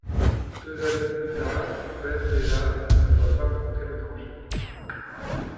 Deux années plus tard, Ben Bella ne voit pas monter le danger.